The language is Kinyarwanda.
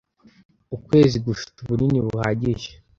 Ukwezi gufite ubunini buhagije